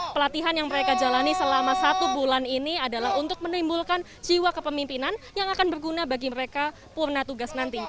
pelatihan yang mereka jalani selama satu bulan ini adalah untuk menimbulkan jiwa kepemimpinan yang akan berguna bagi mereka purna tugas nanti